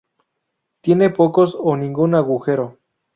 Tiene pocos o ningún agujero.